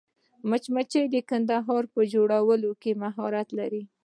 مچمچۍ د کندو په جوړولو کې مهارت لري